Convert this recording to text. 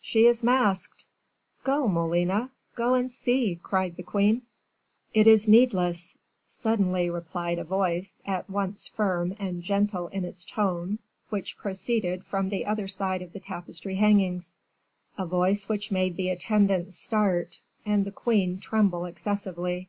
"She is masked." "Go, Molina; go and see!" cried the queen. "It is needless," suddenly replied a voice, at once firm and gentle in its tone, which proceeded from the other side of the tapestry hangings; a voice which made the attendants start, and the queen tremble excessively.